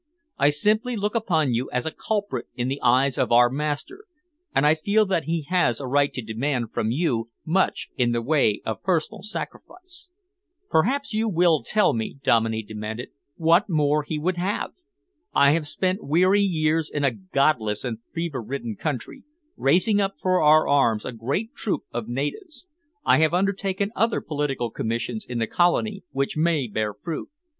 I simply look upon you as a culprit in the eyes of our master, and I feel that he has a right to demand from you much in the way of personal sacrifice." "Perhaps you will tell me," Dominey demanded, "what more he would have? I have spent weary years in a godless and fever ridden country, raising up for our arms a great troop of natives. I have undertaken other political commissions in the Colony which may bear fruit.